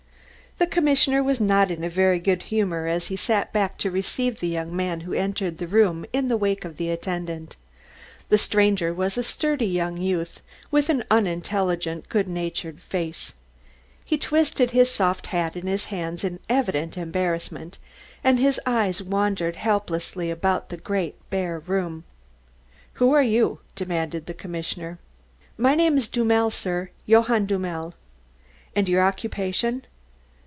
The commissioner was not in a very good humour as he sat back to receive the young man who entered the room in the wake of the attendant. The stranger was a sturdy youth, with an unintelligent, good natured face. He twisted his soft hat in his hands in evident embarrassment, and his eyes wandered helplessly about the great bare room. "Who are you?" demanded the commissioner. "My name is Dummel, sir, Johann Dummel." "And your occupation?"